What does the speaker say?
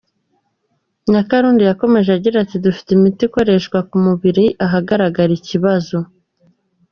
Nyakarundi yakomeje agi ati “Dufite imiti ikoreshwa ku mubiri ahagaragara ikibazo.